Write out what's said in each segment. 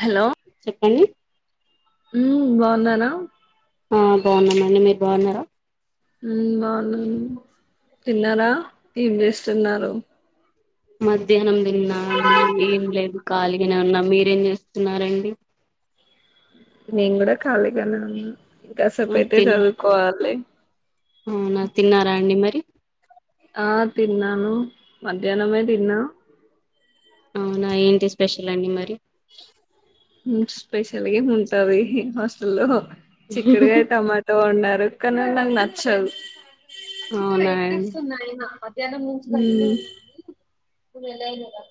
Hello చెప్పండి ఉమ్ బాగున్నారా ఆ బాగున్నామ అండి మీరు బాగున్నారా ఉమ్ బావున్నాను తిన్నార ఏం చేస్తున్నారు మధ్యాహ్నం తిన్నా అండి ఏం లేదు కాలిగానే ఉన్నా మీరేం చేస్తున్నారండి నేను కూడా ఖాళీగానే ఉన్నా ఇంకాసేపుయితే చదువుకోవాలి ఆ నా తిన్నారా అండి మరి ఆ తిన్నాను మధ్యాహ్నమే తిన్న అవునా ఏంటి స్పెషల్ అండి మరి లిగే ఏం ఉంటుది హాస్టల్లో చిక్కడుగాయ టమాటో ఉండాలి వెల్కనన్న నచ్చదు అవునా అండి. [unintelligible] అయినా జనం ముంచుతారు ఊ [unintelligible]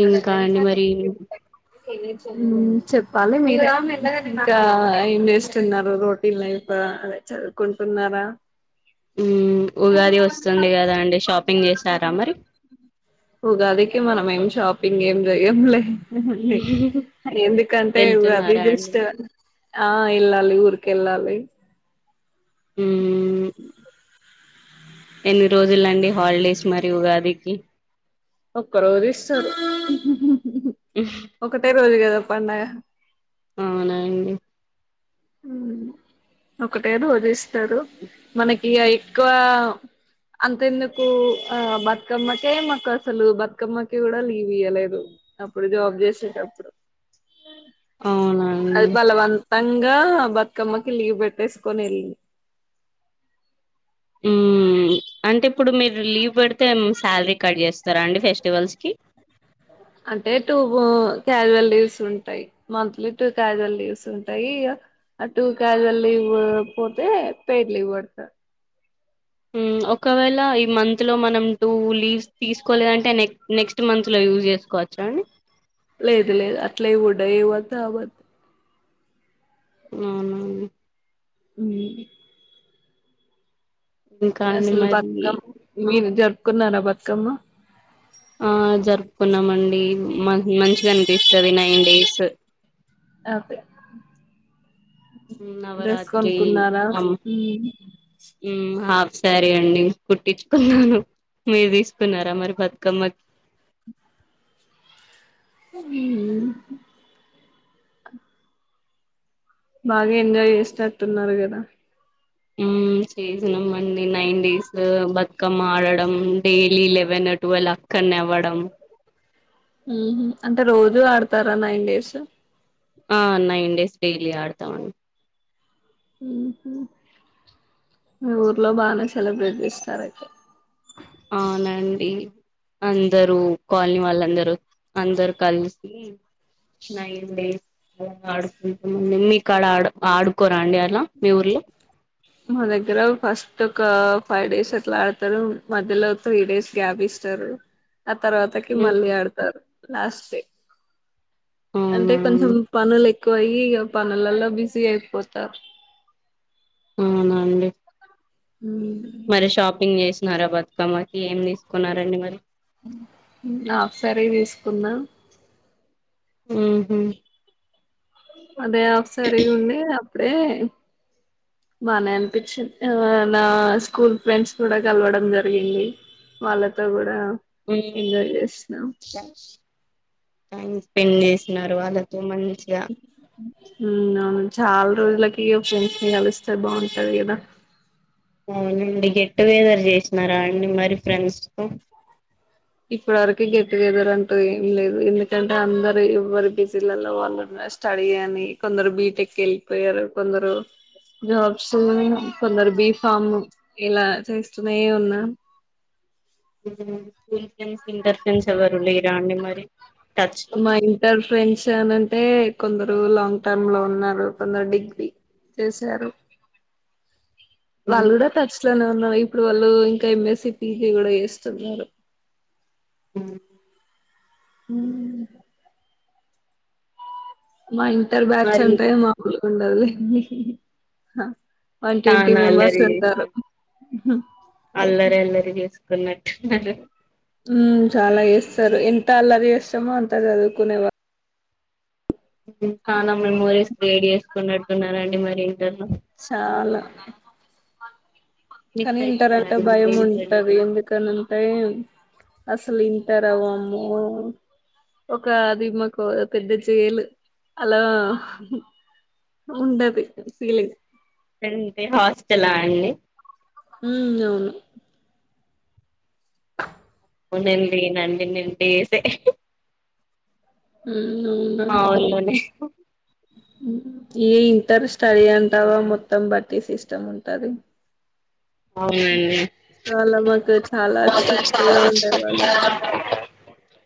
ఇంకా అండి మరి చెప్పాలి మీరే ఇంకా ఏం చేస్తున్నారు రోటీన్ లైఫ్ అదే చదువుకుంటున్నారా ఉగాది వస్తుంది కదా అండి షాపింగ్ చేసారా మరి ఉగాదికి మనం ఏం షాప్ షాపింగ్ ఏం జేయం లే డి ఎందుకంటే ఉగాది వెళ్తున్నారా అండి జస్ట్ ఆ ఇల్ళాలి ఊరుకి వెళ్ళాలి మ్ ఎన్ని రోజులండి హాలిడేస్ మరియు ఉగాదికి ఒక్క రోజు ఇస్తారు ఒకటే రోజు కదా పండగ అవునండి మ్ ఒకటే రోజ ఇస్తారు, మనకి ఎక్కువ అంతెందుకు ఆ బతుకమ్మకే మాకు అసలు బతుకమ్మక కూడా లీవ్ ఇయలేదు, అప్పుడు జాబ్ చేసేటప్పుడు అవునా అది అండి బలవన్ పం కా బతకమ్మకి లీవ్ పెట్టేసుకొని వెళ్ళి మ్ అంటే ఇప్పుడు మీరు లీవ్ పెడితే శాలరీ కట్ చేస్తారా అండి ఫెస్టివల్స్కి అంటే టూ క్యాజువల్ లీవ్స్ ఉంటాయి, మంత్లీ టూ క్యాజువల్ లీవ్స్ ఉంటాయి, ఆ టూ క్యాజువల్ లీవ్ పోతే పెయిడ్ లీవ్ పడతారు. మ్ ఒకవేళ ఈ మంత్ లో మనం టూ లీవ్స్ తీసుకోలేదంటే నెక్ నెక్స్ట్ మంత్ లో యూస్ చేసుకోవచ్చా అండి లేదు లేదు అట్ల ఇ ఉడా ఇవ్వద్దు అవద్దు అవునండి మ్ ఇంకా అండి అసలు మరి పకం మీరు జరుపుకున్నారా బతుకమ్మ ఆ జరుపుకున్నామండి మ మంచిగాని పిస్తది నైన్ డేస్ అదే హ్మ్. డ్రెస్ నవరాత్రి కొనుకున్నార అమ్ హ్మ్. హాఫ్ సారి అండి కుట్టించుకున్నాను మీరు తీసుకున్నార మరి బతుకమ్మకి హ్మ్ బాగ ఎంజాయ్ జేస్నట్టు ఉన్నారు కదా హ్మ్ చేసినామండి నైన్ డేస్ బతుకమ్మ ఆడడం డైలీ లెవెన్ ట్వెల్వ్ అక్కనేవ్వడం ఉహు అంటే రోజూ ఆడతారా నైన్ డేస్ ఆ నైన్ డేస్ డైలీ ఆడతామండి ఉహు మీ ఊర్లో బానే సెలబ్రెట్ జెస్తార అయితే అవునండి అందరూ కాలనీ వాళ్ళందరూ అందరు కలిసి నైన్ డేస్ ఆడుకుంటా మీర్ ఇక్కడ ఆ ఆడుకోరా అండి అలా మీ ఊర్లో మా దగ్గర ఫస్ట్ ఒక ఫైవ్ డేస్ అట్లా ఆడతారు మధ్యలో ఒక త్రీ డేస్ గ్యాప్ ఇస్తారు ఆ తర్వాతకి మళ్ళీ ఆడతారు లాస్ట్ డే అంటే అవునా కొంచెం అండి, పనులు ఎక్కువ అయి ఇక పనులలో బిజీ అయిపోతారు అవునండి ఉమ్. మరి షాపింగ్ చేస్త నర బతుకమ్మకి ఏం తీసుకున్నారంండి మరి ఆ సర తీసుకుందా ఉమ్ హు అదే సర ఉంది అప్పుడే బాగా అనిపించింది నా స్కూల్ ఫ్రెండ్స్ కూడా కలవడం జరిగింది వాళ్ళతో కూడా ఎంజాయ్ చేస్తున్నాా టైం స్పెండ్ చేసినన్నారు వాళ్ళతో మంచి ఆ ఉమ్ అవును చాలా రోజులకి ఒక ఫ్రెండ్స్ ని కలుస్తారు బాగుంటది కదా అవునండి గట్టు బేదర్ చేసినారా అడి మరి ఫ్రెండ్స్తో ఇప్పటి వరక గెట్ టుగెదర్ అంటూ ఏం లేదు ఎందుకంటే అందరు ఎవరి బిజిలలో వాళ్ళు స్టడీ అని కొందరు బీటెక్ వెల్లి పోయారు కొందరు జాబ్స్ కొందరు బి ఫామ్ ఇలా చేస్తునే ఉన్నా స్కూల్ ఫ్రెండ్స్ ఇంటర్ ఫ్రెండ్స్ ఎవరు లేరా అండి మరి టచ్ లో మా ఇంటర్ ఫ్రెండ్స్ అని అంటే కొందరు లాంగ్ టర్మ్ లో ఉన్నారు కొందరు డిగ్రీ చేశారు వాళ్ళ కూడా టచ్ ఇనే ఉన్నారు ఇప్పుడు వాళ్ళు ఇంకా ఎంఎస్సి పీజి కూడా చేస్తున్నారు ఉమ్ హ్మ్ మ ఇంట్ ఇర్ బ్యాట్స్ మరి అంటాయి మాకులు ఉండదు హ వన్ ట్వంటీ చానా మెంబర్స్ అల్లరి చేసిన వెళ్తారు అల్లరి అల్లరి న్నట్ హ్మ్ చాలా చేస్తారు ఎంత అల్లరి చేస్తామో అంత చదువుకునేవారుు ఉ చాలా మెమరీస్ క్రియేట్ చేసుకున్నాడు న్నారండి మరి ఇంటర్లో చాలా మిస్ కానీ ఇంటర్ అయితున్నారా అంటే అండి మరి భయం ఏంటండి ఉంటది ఎందుకని అంటే అసలు ఇంటర్ వావ్వము ఒక అది మాకు పెద్ద జాలు అలా ఉండది ఫీలింగ్ అంటే హాస్టలా అండి హ్మ్ అవును అవునండి నండి నింటేసే ఉమ్ అవును మా ఉరిలోనే ఏ ఇంటర్ స్టడీ అంటావా మొత్తం బట్టి సిస్టమ్ ఉంటాది అవునండి మాకు చాలా స్ట్రిక్ట్ గా ఉండేవాళ్ళు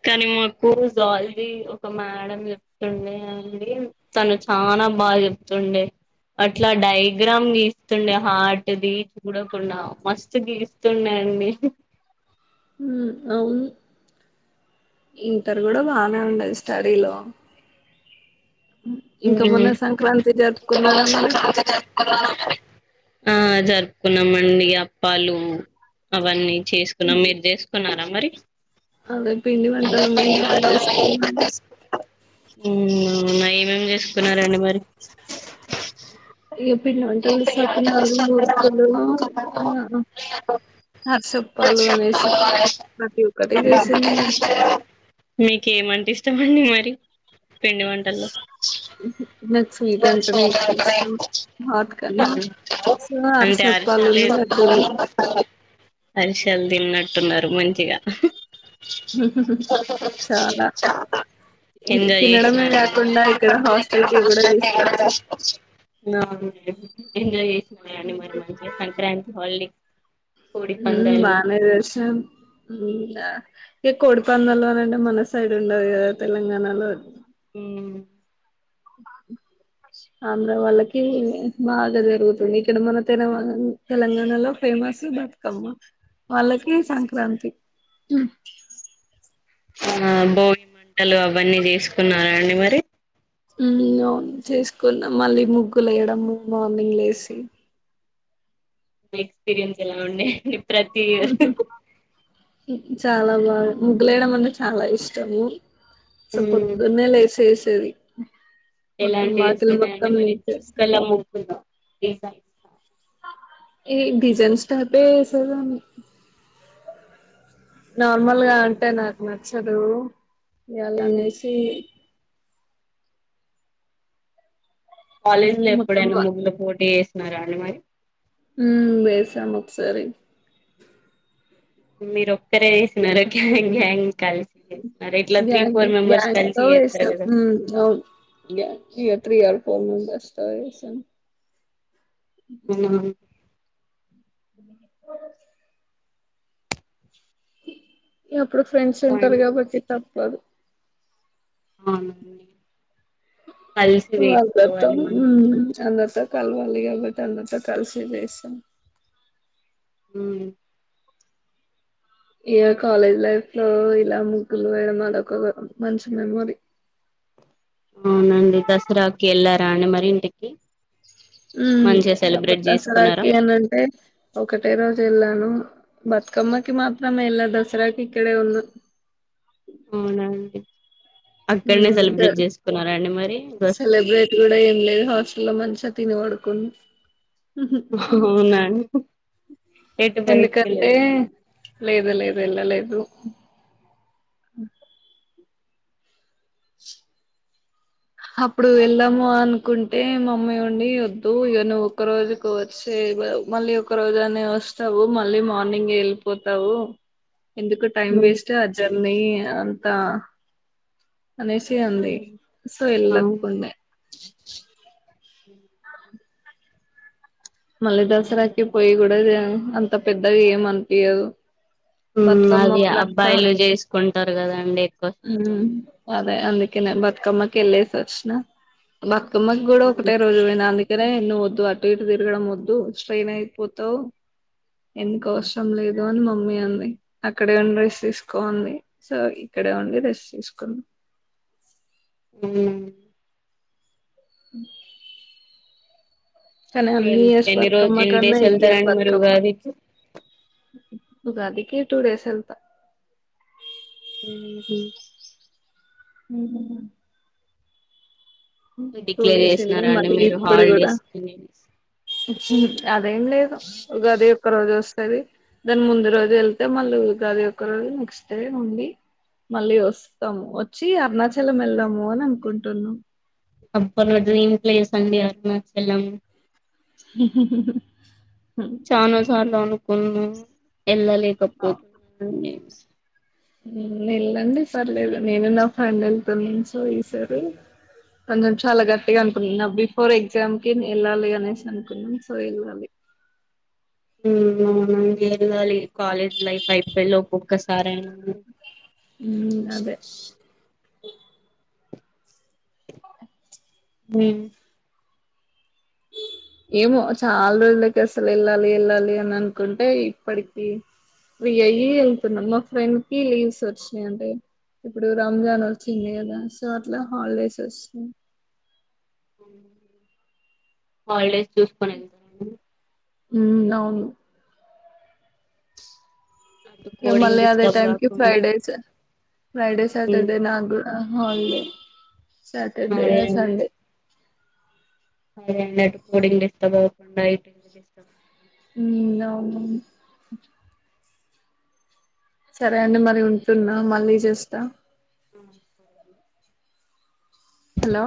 కాని మాక్ జూవాలజీ ఒక మేడం చెప్తుండే అండి తను చానా బాగ్ చెప్తుండే అట్లా డయాగ్రామ్ గీస్తుండే హార్ట్ ది చూడకుండా మస్తు గీస్తున్నె అండి ఉమ్ అవును ఇంటరు కూడా బానే ఉండే స్టడీలో ఇంకా ఉమ్ మొన్న సంక్రాంతి జరుపుకున్నారా మరి అ జ జరుపుకున్నామండి అప్పాలు అవన్నీ చేసుకున్నాం మీర్ జేసుకున్నారా మరి అవే పిండి వంటల మేమ్ గూడా చేసుకున్నామ్ ఉమ్ అవునా ఏ ఏం చేసుకున్నారండి మరి ఇ పిండి వంటలు సకినాలు ముర్కులు ఆ మరి అరిసప్పాలు అనేసి ప్రతి ఒక్కటి చేసింది మామ్మ టమండి మరి పిండి వంటల్లో నాకు స్వీట్ అంటేనే ఎక్కువ ఇష్టం హాట్ కన్నా సో అంటే అరిషాలు అరసప్పాలును లడ్డూలు [inaudible] అరిషల్ తిన్న ట్టున్నారు మంచిగ చాలా ఇ ఎంజాయ్ తినడమే చేసినారా కాకుండా ఇక్కడ హాస్టల్ ఫీ కూడా తీస్ నా ఎంజాయ్ జే [unintelligible] [inaudible] మరి మంచిగా సంక్రాంతి హాలిడే కోడి ఉమ్ పందాలు బానే చేస్నామ్ ఉమ్ అ ఇ కోడిపంద్యాల వలండి మనస్ సైడ్ ఉండది గద తెలంగాణలో అది ఉమ్ ఆంధ్ర వాళ్ళకీ బాగా జరుగుతుంది ఇక్కడ మన తెలవ తెలంగాణలో ఫేమస్సు బతుకమ్మ వాళ్ళకి సంక్రాంతి ఉమ్ ఆ భోగి మంటలు అవన్నీ జేసుకున్నారా అండి మరి ఉమ్ అవును చేసుకున్నాం మళ్ళీ ముగ్గులేయడము మార్నింగ్ లేసి ఎక్స్పీరియన్స్ ఎలా ఉండే ప్రతి చాలా బాగా ముగ్గులేయడమంటే చాలా ఇష్టము స ఉమ్ పోద్దున్నే లేసేసి టది ఎలాంటి వేస్తున్నాయండి మరి నింపేసి చుక్కల ముగ్గులు వేసార ఏ డిజన్స్ స్టాపే వేసేదాన్ని నార్మల్ గా అంటే నాకు నచ్చదు అలా ఉమ్ లేసి కాలేజ్ లో ఎప్పుడైనా మొత్తం ముగ్గుల పోటీ వేస్ నారాయండి మరి ఉమ్ వేసాం ఒకసారి మీరొక్కరే ఏసినారా గ్యాంగ్ గ్యాంగ్ కలిసి చేసినారా ఇట్లా three gang four members gangs కలిసి లో చేస్తారు వేస్తాం కదా [unintelligible] త్రియ [inaudible] [inaudible] ఎప్ ప్పుడు ఫ్రెండ్స్ ఇంకా ఉంటారు అండి కాబట్టి త పోదు అవునండి కలిసి [unintelligible] మ్ వేసుకోవాలి మనం అందరితో కలవాలి [inaudible] తర్వాత కలిసి చేస్తాం హ్మ్ ఇగ కాలేజ్ లైఫ్ లో ఇలా ముగ్గులు వేయడం అదొక మంచి మెమోరీ అవునండి దసరాకి వెళ్ళారా అండి మరి ఇంటికి మంచిగా ఉమ్ సెలబ్రేట్ చేసుకున్నారా దసరాకి అనంటే ఒకటే రోజు వెళ్ళాను బతుకమ్మకి మాత్రమే ఎళ్ళా దసరాకి ఇక్కడ ఉన్న అవునా అండి అక్కడనే సెలబ్రేట్ హ్మ్ చేసుకున్నారా అండి మరి దస్ [unintelligible] సెలబ్రేట్ కూడా ఏం హాస్టల్లో మంచిగా తిని పడుకున్ అవునా అండి ఎటు బైటికెళ్ళాళి [inaudible] గ లేదు వెళ్ళ లేదు ఆ అప్పుడు వెళ్ళాము అనుకుంటే మమ్మీ ఉండి వద్దు ఇక నువ్వు ఒక్క రోజుకు వచ్చే మళ్ళీ ఒక రోజు అనే వస్తావు మళ్ళ మార్నింగ్ వెళ్ళిపోతావు ఎందుకు టైమ్ ఉమ్ వేస్ట్ అద్ [unintelligible] ది అంతా అనేసి అంది సో ఎల్లకుండ ఆ మళ్లీ దసరాకి పోయి కూడా అంత పెద్దగా ఏమ అన్పియ్యదు ఉమ్ అది అబ్బాయిలు చేసుకుంటారు కదండి ఎక్కువ శాతం. అందుకేన బతుకమ్మకి ఎలేసివచ్చిన. కోమ్మకూడా ఒకటే ఉమ్ రోజు పోయిన అందుకే. అరే నువ్వు వద్దు అటు ఇటు తిరగడం వద్దు స్ట్రెయిన్ అయిపోతావు. ఎందుకు అవసరం లేదు అని మమ్మీ అంది. అక్కడే ఉండి రెస్ట్ తీసుకోంది. సో ఇక్కడే ఉండి రెస్ట్ తీసుకున్నా. ఉమ్ ఉమ్. ఇప్పుడు ఎన్ ఎన్ని రోజు బతుకమ్మ ఎన్ని కన్నా డేస్ ఈ ఇయర్ వెళ్తారండి. మరి బతుకమ్మ ఉగాదికి. ఉగాదికి టుడేస్ వెళ్తా. ఉహూ ఉమ్ ఉమ్ టూ డిక్లేర్ డేస్ వెళ్లి చేసినారా అండి మళ్ళీ మీరు ఇప్పుడు కూడా. హాలిడేస్ అని? అదేం లేదు ఉగాది ఒక్క రోజు వస్ దాని ముందు రోజు వెళ్తే మళ్ళ ఉగది ఒక రోజు నెక్స్ట్ డే ఉండి మళ్ళీ వస్తాము. వచ్చి అరుణాచలం వెళ్దాము అని అనుకుంటున్నాం. అబ్బా నా డ్రీమ్ ప్లేస్ అండి అరుణాచలం. వో చానా సార్లు అను. కున్న. వెళ్ళలేకపోతున్నాను నేను. ఉమ్ వెళ్ళండి పర్లేదు. నేను నా ఫ్రెండ్ వెళ్తున్నాను. సో ఈ సారీ కొంచెం చాలా గట్టిగా అనుకున్నా. నా బిఫోర్ ఎగ్జామ్ కి వెళ్ళాలి. అనేసి అనుకున్నాం. సో వెళ్ళాలి. ఉమ్ అవును అండి వెళ్ళాలి. College life అయిపోయేలోపు ఒక్కొక్కసారైనా. ఉమ్ అదే. ఈ మేం. ఏమో చాలా రోజులకి అసలు వెళ్ళాలి వెళ్ళాలి అని అనుకుంటే ఇప్పటికి ఫ్రీ అయి వెళ్తున్నాం. మా ఫ్రెండ్ కి లీవ్స్ వచ్చినాయి అంటే ఇప్పుడు రంజాన్ వచ్చింది. కదా సో అట్లా హాలిడేస్ వచ్చినాయి. హాలిడేస్ చూసుకోని వెళ్తాము. ఉమ్ అవును. అటు ఇగ కోడింగ్ మల్లి అదే డిస్టర్బ్ టైమ్కి కాకుండా ఫ్రైడేస్. ఫ్రైడే ఉమ్, సాటర్డే నాకు కూడా. ఆహ్ హాలిడే. Saturday, Sunday. అదేం లేదు కోడింగ్ డిస్టర్బ్ అవ్వకుండా అయితే. ఉమ్ అవును. సరే అండి మరి ఉంటున్నా మళ్ళీ చేస్తా. ఆహ్ సరే. అండి. హలో.